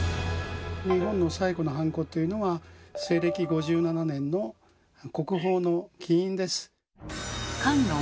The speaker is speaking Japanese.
日本の最古のハンコというのは西暦５７年の国宝の「金印」です。